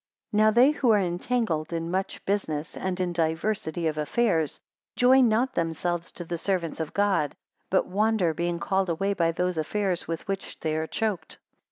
188 Now they who are entangled in much business, and in diversity of affairs, join not themselves to the servants of God, but wander, being called away by those affairs with which they are choked.